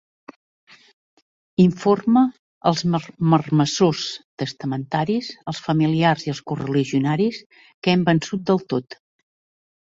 Informe els marmessors testamentaris, els familiars i els correligionaris, que hem vençut del tot.